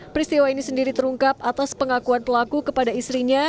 peristiwa ini sendiri terungkap atas pengakuan pelaku kepada istrinya